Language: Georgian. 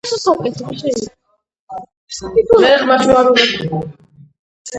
კალთები შემოსილია ალპური და სუბალპური მდელოებით.